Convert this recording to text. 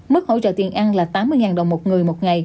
mức hỗ trợ tiền ăn là tám mươi đồng một người một ngày